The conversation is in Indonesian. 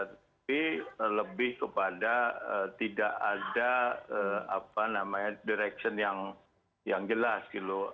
tapi lebih kepada tidak ada direksi yang jelas